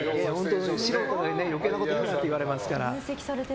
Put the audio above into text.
素人が余計なこと言うなって言われますから。